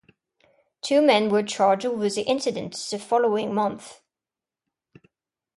Two men were charged over the incident the following month.